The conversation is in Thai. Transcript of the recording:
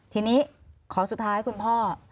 ทีนี้ขอสุดท้ายคุณพ่อ